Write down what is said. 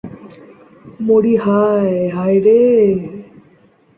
মরি হায়, হায় রে